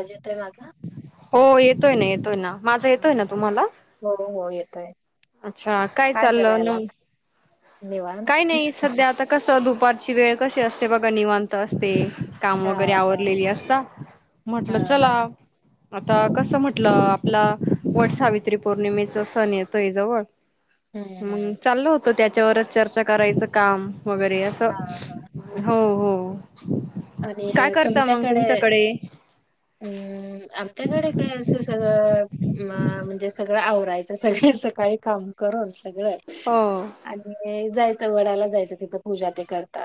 Agent आहे माझा हो येतोय ना येतोय ना माझा येतोय ना तुम्हाला हो हो येतोय अच्छा काय चाललं न निवांत. काही नाही सध्या आता कसं दुपारची वेळ कशी असते बघा निवांत असते काम हा वगैरे आवरलेली असता हा म्हटल चला हा. आता कसं म्हटलं आपला वट सावित्री पौर्णिमेचा सण येतोय जवळ हम्म मम हम्म. चाललू होतो त्याच्यावरच चर्चा करायचं काम वगैरे असं हा हा. हो हो काय आणि करता मग तुमच्याकडे हम्म आच्याकडे का सु स अ म्हणजे सगळं आवरायचं सगळ सकाळी काम करून सगळं हो आणि जायचं वडाला जायचं तिथं पूजा ते करत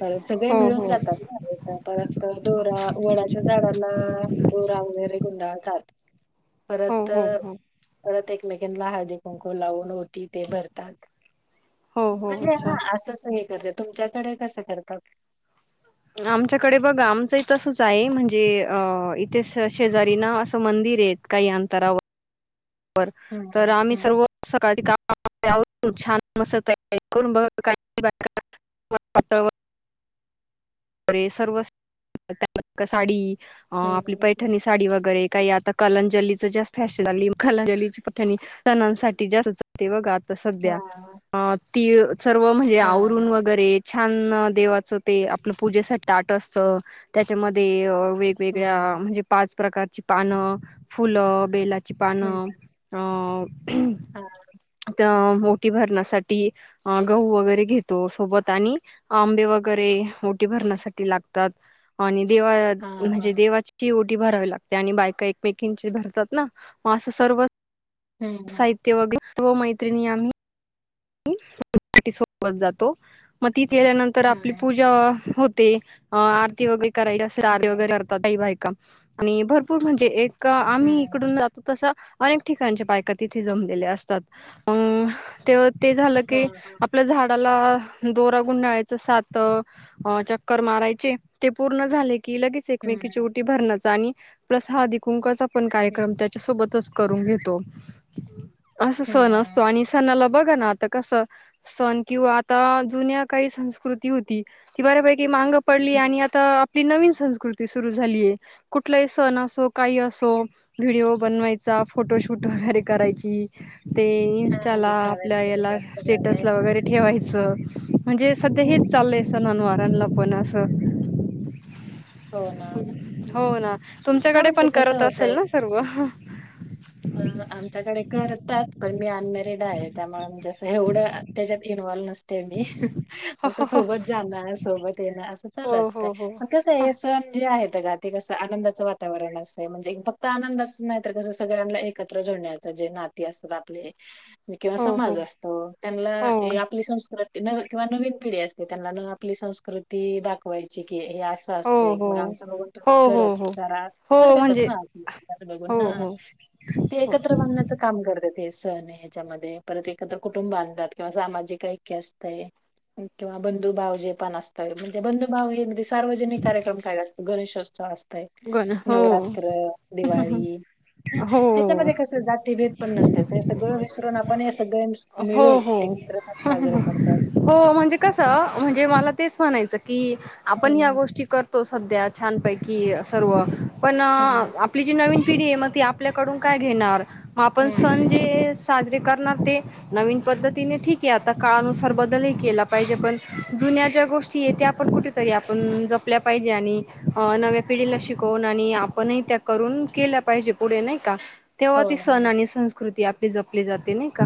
तर सगळे हो मिळून हो जातात ना परत दोरा वड्याच्या झाडांना दोरा वगैरे गुंडाळतात हो परत हो हो परत एक क ल हजे कुंकू लावून ओटी ते भरतात हो हो म्हणजे अच्छा हा असं स हे कच तुमच्याकडे कसं करतात आमच्याकडे बघ आमचं तसच आहे म्हणजे इथे शेजारी नां म ी रेत काही अंतरावा हम्म तर आम्ही हम्म सर्व सकाळ का छान मस् तयारी करून बघ पातळैरे सर्व साडी अ आपली हम्म पैठणी साडी वगैरे काही आता कलंजलीच जास् फॅन झा खलांजली पठणी सणांसाठी जस्त जे बघा हा सध्या अ ती सर्व म्हणजे हा आवरून हा वगैरे छान देवाचं ते आपलं पूजेसाठीाट असत त्याच्यामध्ये अ वेगवेगळ्या हम्म म्हणजे पाच प्रकारची पान फुलं बेची पण हम्म अ हा त्या मोठी भरण्यासाठी गहू वगैरे घेतो सोबत आणि आंबे वगैरे मो भ लाात दे हा हा म्हणजे देवाची ओटी भरावी लागते आणि बायका एकमेकीांची भरतात ना ग असं सर्व हम्म साहित्य वगैरे सर्व मैत्रिणी आम्ही सोबत जातो मग तीथ गल्यानंतर आपली हम्म पूजा हो ते आरती वगैरे करायची असे आरती हम्म वगैरे करतातई बायकम आणि भरपूर म्हणजे एक का आम्ही हम्म इकडून जातो तसं अनेक ठिकाचे पायक तिथे जमलेल्या असतात अ ते ते झालं हा की आपलं झाड दोरा गुंडाळाच सात चक्कर मारायचे ते पूर्ण झाले की लगेच हम्म एकमेकीचीवटी भरण्याचा आणि प्लस हाधिकुंकाचा आपण हम्म कार्यक्रम त्याच्या सोबतच घेतो अस सण असतो हम्म आणि सणाला बघा ना आता कस सण किंवा आता जुन्या काही संस्कृती होती ती बऱ्यापैकी मांग पडली हम्म आणि आता आपली नवीन संस्कृती सुरु झालीय कुठलाही सण असो काही असो व्हिडिओ बनवायचा ता फोटोशूट वगैरे करायची ते हा इन्स्टाला आपल्या दिखाव्याच याला जास्त झालंय स्टेटसला वगैरे ठेवायचं म्हणजे सध्या हम्म हेच चालय स हम्म. ननवारांला पण असं हो ना हो ना हो ना हा तुमच्याकडे म्हणजे पण कसं करत होतंय असेल ना सर्व अ आमच्याकडे करतात पण मी अनमेरिड आहे त्यामुळे जस एवढं त्याच्यात सतत चल असत हो हो कस ते कस आनंदाचं वातावरण अस म्हणजे फक्त आनंदाच नाही तर कस पोरांना एकत्र जोडण्याचं जे नाती असतात आपले किंवा हो हो समाज असतो त्यांना हो हे आपली संस्कृत किंवा नवी नवीन पिढी असते त्यांना ना आपली संस्कृती दाखवायची हे हे असं हो असतंय हो मग आमच बघून हो तुम्ही हो करत हो करा हो करतातच म्हणजे ना आपल हो बघून हो ते हो एकत्र बघण्याच काम करते हे सण हे ह्याच्यामध्ये परत एकत्र कुटुंब आणतात किंवा सामाजिक एकी असतय किंवा बंधुभाव येताना असत म्हणजे बंधुभाव एक सार्वजनिक कार्यक्रम करायचं गणेशोत्सव असतय गण हो नवरात्र, दिवाळी ह हो ह्याच्यामध्ये कस जातीभेद पण नसतय हे सगळं विसरून आपण हे सगळे मिळून एकत्र सण साजरा हहह. करतात. हो म्हणजे कस म्हणजे मला तेच म्हणायचं की आपण ह्या हं, गोष्टी करतो सध्या छानपैकी सर्व हो ना हं, आपली जी नवीन पिढी आहे मग ती आपल्याकडून काय घेणार मग आपण हं, सण हं. जे ह जे करणार ते नवीन पद्धतीने ठीक आहे आता काळानुसार बदल ही केला पाहिजे पण ज्या ज्या गोष्टी आहेत त्या पण कुठेतरी आपण जपल्या पाहिजे आणि ह नव्या ते गेले शिकवून आणि आपणही त्या करून केल्या पाहिजे पुढे नाही का तेव्हा हो ती ना, हो सण ना. आणि संस्कृती आपली जपली जाते नाही का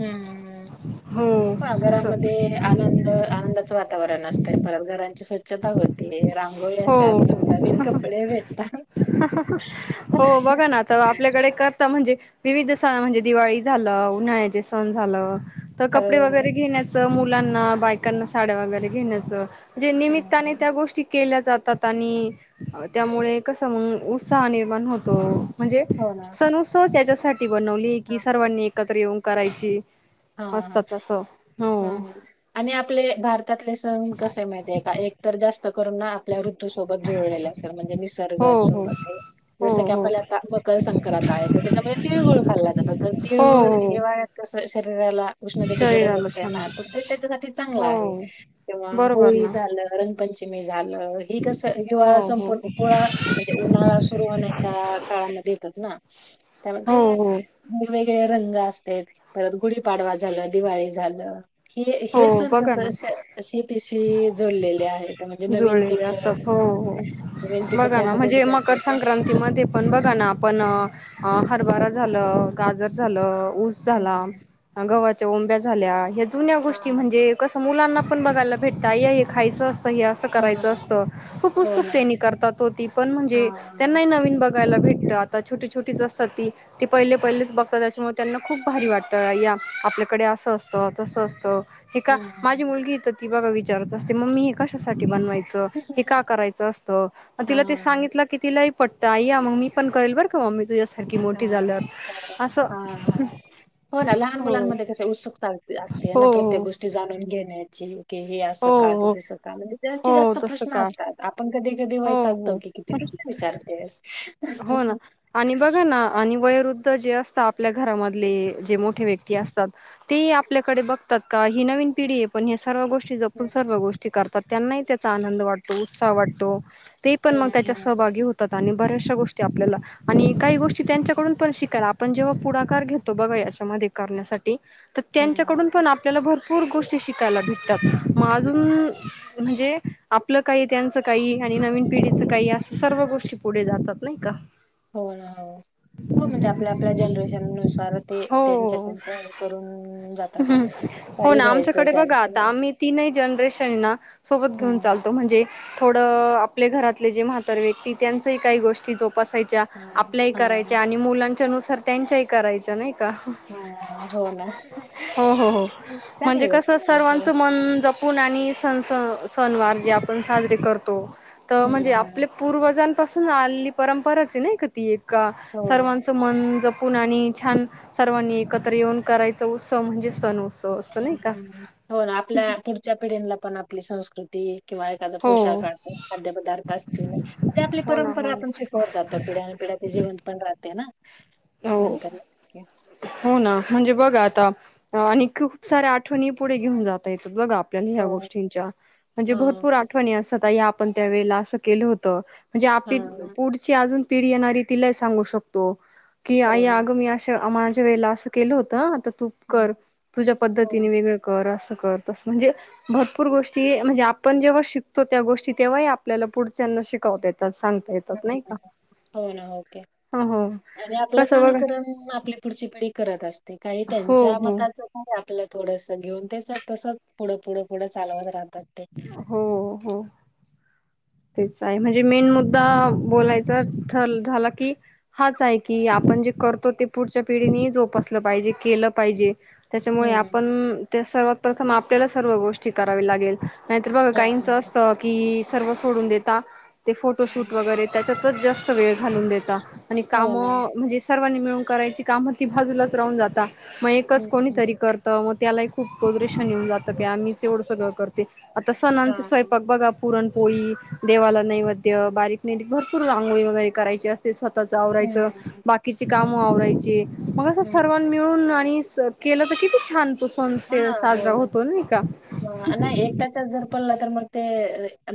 हम्मम हम् हो पहा असं घरामध्ये आनंद आनंदाचं वातावरण असतय परत घरांची स्व स्वच्छता होते रांगोळी असतात हो नवनवीन कपडे भेटतात हो बघा ना तर आपल्याकडे करता म्हणजे विविध सण म्हणजे दिवाळी झालं उन्हाळ्याचे सण झालं तर कपडे हो वगैरे घेण्याच त मुलांना बायकांना साड्या वगैरे घेण्याचं जे निमित्ताने हम्म त्या गोष्टी केल्या जातात आणि त्यामुळे कस मग उत्साह निर्माण होतो म्हणजे हो ना सण उत्सव त्याच्यासाठी बनवली की हा सर्वांनी एकत्र येऊन करायची असत तस ह आणि आपले भारतातले सण कसे माहित आहे का एक तर जास्त करून ना आपल्या ऋतूसोबत जुळलेल्या असतात म्हणजे हो हो निसर्गासोबत आहे हो जस की हो आपल्याला आता मकर संक्रांती काय तर त्याच्यामध्ये तिळगुळ खाल्ला जातो तर हो तिळगुळ हो हिवाळ्यात कस शरीराला उष्णतेची गरज शरीराला असते छान ना तर वाटतं ते त्याच्यासाठी चांगलं आहे हो तेव्हा बरोबर होळी ना झाल रंगपंचमी झालं हि कस हो हिवाळा हो संपून पोळा म्हणजे उन्हाळा सुरू होण्याच्या काळामध्ये ना हो त्यामध्ये हो वेगवेगळे रंग असते तर गुढीपाडवा झालं दिवाळी झालं हे हे हो सण बघा कस ना श शेतीशी जुडलेले आहेत म्हणजे नवीन जुळलेले पिकं असतात हो हां. हो नवीन पिकं बघा ना त्यामध्येच म्हणजे मकर घेतो ते. संक्रांती मध्ये पण बघा ना आपण अ हरभारा झालं गाजर झालं ऊस झाला हं. गव हे उंब्या झाल्या हे जुन्या गोष्टी हां. म्हणजे कसं मुलांना पण बघायला भेटता या हे खायचं असत हे अस करायचं हां. असतं खुप हो ना. उत्सुकतेने करतात हो ती पण म्हणजे हां. त्यांना हे नवीन बघता बघायला भेटत आता छोटी छोटीच असतात ती ती पहिले पहिलेच बघतात अशी मग त्यांना खूप भारी वाटत आपल्याकडे असं असतं तस असतं हे का हं, हं. माझी मुलगी येते ती बघा विचारत असते मम्मी हे कशासाठी बनवायच हे का करायचं असतं मग तिला ते हां. सांगितलं की तिला पटतं या मग मी पण करेल बर का मम्मी तुझ्या हा हा ह ह हो ना लहान मुलांमध्ये कस उत्सुकता होते ते हे हो ना प्रत्येक हो गोष्टी जाणून घेण्याची हे हे असं का ते हो हो तसं का म्हणजे त्यांचे हो जास्त तसं प्रश्न का असतात आपण कधी कधी हो वैतागतो हो कि किती विचारतेस हो ना आणि बघा ना अ आणि वयोवृद्ध जे असता आपल्या घरामधली जे मोठे व्यक्ती असतात ती आपल्याकडे बघतात का ही नवीन पिढी पण हे सर्व गोष्टी जपून हं, सर्व गोष्टी करतात त्यांनाही त्याचा आनंद वाटतो उत्साह वाटतो. ते पण हं, मग त्याच्या हं, सहभागी होतात आणि बऱ्याचशा गोष्टी आपल्याला आणि काही गोष्टी त्यांच्याकडून पण शिकायला आपण जेव्हा पुढाकार घेतो बघा याच्यामध्ये करण्या साठी तर हं, हं, हं. त्यांच्याकडून पण आपल्याला भरपूर गोष्टी शिकायला भेटतात मग अजून म्हणजे आपलं काही त्यांचं काही आणि नवीन पिढीचं काही असं सर्व गोष्टी पुढे जातात नाही का हो ना हो हो म्हणजे आपल्या आपल्या जनरेशन नुसार ते त्यांच्या त्यांच हे करून जात ह हो ना आमच्याकडे बघा आता आम्ही तीनही जनरेशन ना सोबत घेऊन हं. चालतो म्हणजे थोड आपले घरातले जे म्हातर व्यक्ती त्यांच काही गोष्टी जोप बसायच्या हां, आपल्याही हां, करायच्या आणि मुलांच्या नुसार त्यांच्याही करायच्या नाही का हा हो ना हो हो हो म्हणजे चांगली कस गोष्ट आहे सर्वांच म्हणजे. मन जपून आणि स आपण साजरी करतो हं, म्हणजे हं. आपले पूर्वजण, पासून आलेली परंपराच आहे नाही का ती एक का हो ना. सर्वांचं मन ज. मुलाने आणि छान सर्वांनी एकत्र येऊन करायचा उत्सव म्हणजे सण. उत्सव असतो नाही हम्म का हम हो ना आपल्या पुढच्या पिढीला पण आपली संस्कृती. किंवा एखाद हो पोशाख असे खाद्य पदार्थ असतील ते, आपली हो ना परंपरा हो आपण ना शिकवत जातो पिढ्या जेवंत पण राहते ना हो नंतर हो ना म्हणजे बघा आता आणि खूप साऱ्या आठवणी पुढे घेऊन जाता येत बघा. आपल्या ह्या हो गोष्टींच्या म्हणजे हा भरपूर आठवणी अस या आपण त्या वेळेला असं केलं होत. म्हणजे हा आपली पुढची अजून पिढी येणारी तिलाही सांगू शकतो की आई हो ना आग मी अशा माझ्या वेळेला असं केलं होतं आ तू हम्म, कर तुझ्या पद्धतीने हम्म, वेगळं कर अस. त म्हणजे भरपूर गोष्टी म्हणजे आपण जेव्हा शिकतो त्या गोष्टी तेव्हा आपल्याला पुढ शिकवता येतात सांगता येतात नाही हम्म. का हो हो. कसं बघा नुकरण आपली पुढची पिढी करत असते काही हो त्यांच्या हो मताच आपलं. थोडस घेऊन तेच तसंच पुढं पुढे पुढं चालवत राहत. हो हो तेच आहे म्हणजे मेन मुद्दा बोलायचा झाला की हाच आहे की आप म्हणजे करतो ते पुढच्या पिढीनी जोपासलं पाहिजे केलं पाहिजे. त्याच्यामुळे आपण हम्म ते सर्वात प्रथम आपल्याला सर्व गोष्टी करावी लागेल. नाहीतर बघा हा काहींच हा, असत कि सर्व सोडून देता. ते फोटोशूट हा. वगैरे त्याच्यातच जास्त वेळ घालून देेतात. आणि काम हो ना म्हणजे सर्वांनी मिळून करायची काम ती बाजूलाच राहून जाता मग एकच हम्म हम्म. कोणीतरी करत. मग त्यालाही खूप उदरेशन येऊन जातं काय आम्हीच एवढं सगळं करते आता सणांचे हा स्वयंपाक बघा पुरणपोळी देवाला नैवेद्य बारीक नैरीक भरपूर रांगोळी वगैरे करायची असते स्वतः आवरायच हम्म. बाकीचे काम हम्म. आवरायचे मग अस सर्वां हम्म. मिळून आणि केलं तर किती छान. तो सण हा हो साजरा ना होतो नाही का ह नाही एकट्याच्याच जर पडला तर मग ते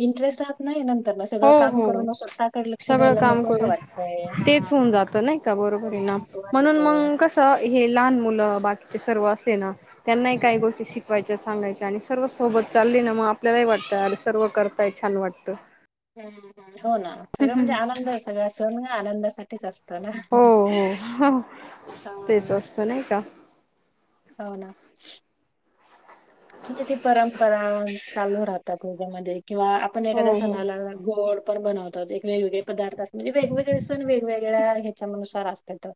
इंटरेट राहत नाही. सगळं हो काम हो करून अस तकडे लक्ष सगळं द्यायला काम नकोसं करून वाटतय. हां तेच होऊन जातं नाही का बरोबर आहे तो म्हणून म येतोय. कस लहान मुल बाकी ते सर्व असले ना त्यांनाही हं, काही गोष्टी शिकवायची. सांगायच्या आणि सर्व सोबत चालली ना मग आपल्यालाही वाटतं अरे सर्व करताय छान वाटतं. हो ना सगळं म्हणजे आनंद सगळं सण ग आनंदासाठीच असत. हो हो तेच हां, असत नाही का. होना म्हणजे ती परंपरा चालू राहतात त्याज्यामध्ये. किंवा आपण हो एखाद्या हो सणाला गोड पण बनवतोत एक वेगवेगळे पदार्थ. म्हणजे वेगवेगळे सण वेगवेगळ्या ह्याच्या मना नुसार असत तर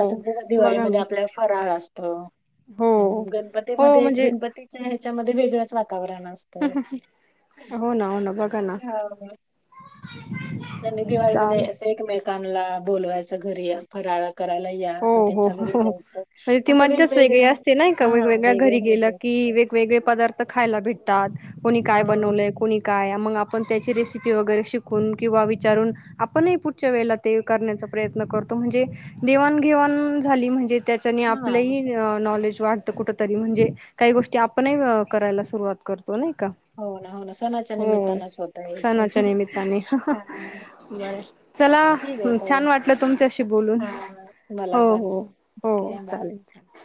असं जस बघा ना दिवाळीमध्ये आपल्याला फराळ असत. हो हम्म हो गणपतीमध्ये म्हणजे गणपतीच्या ह्याच्यामध्ये वेगळच वाता नवरा नसतो हो ना हो ना बघा ना हो नाही दिवाळीमध्ये चालेल असं एकमेकांना बोलवायचं घरी फराळ करायला या हो पण हो त्यांच्या घरी हो जायचं म्हणजे ती असं मज्जाच वेगळी वेगवेगळ्या असते नाही का हा वेगवेगळ्या घरी वेगळेच गेलं की म्हणजे वेगवेगळे पदार्थ खायला भेटतात कोणी काय हां बनवलय कोणी काय मग आपण त्याची रेसिपी वगैरे शिकून किंवा विचारून आपणही पुढच्या वेळेला ते करण्याचा प्रयत्न करतो म्हणजे देवाण-घेवाण झाली म्हणजे त्यात आपलं हां. ही नॉलेज वाटत कुठ तरी म्हणजे काही गोष्टी आपणही करायला सुरुवात करतो नाही का. हो ना हो ना सणाच्या हो निमित्तानच होतं हे सणाच्या सगळं. निमित्ताने हा बर चला. ठीक आहे मला ताई छान वाटलं तुमच्याशी बोलून हा मला हो पण हो हो ओके बाय. चालेल चालेल.